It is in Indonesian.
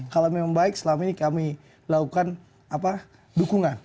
kalau memang baik selama ini kami lakukan dukungan